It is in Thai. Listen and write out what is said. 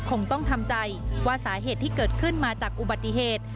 คงต้องทำใจว่าสาเหตุที่เกิดขึ้นมาจากอุบัติเหตุ